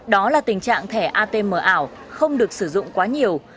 đó là tình trạng thẻ atm ảo không được sử dụng quá nhiều